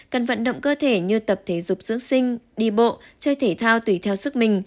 cần vận động cơ thể như tập thể dục dưỡng sinh đi bộ chơi thể thao tùy theo sức mình